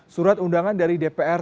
surat undangan dari dpr